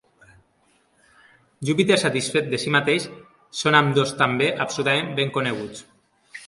Júpiter satisfet de si mateix, són ambdós també absolutament ben coneguts.